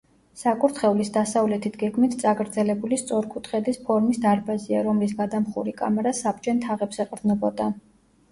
საკურთხევლის დასავლეთით გეგმით წაგრძელებული სწორკუთხედის ფორმის დარბაზია, რომლის გადამხური კამარა საბჯენ თაღებს ეყრდნობოდა.